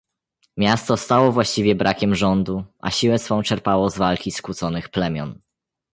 Miasto stało właściwie brakiem rządu, a siłę swą czerpało z walki skłóconych plemion.